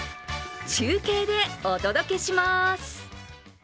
中継でお届けします！